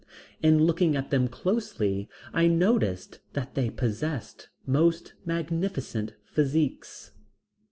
In looking at them closely, I noticed that they possessed most magnificent physiques.